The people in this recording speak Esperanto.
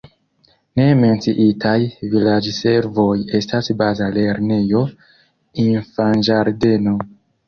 Ne menciitaj vilaĝservoj estas baza lernejo, infanĝardeno.